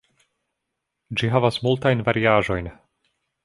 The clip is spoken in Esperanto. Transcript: Ĝi havas multajn variaĵojn.